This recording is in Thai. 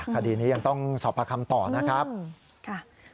คดีนี้ยังต้องสอบประคำต่อนะครับ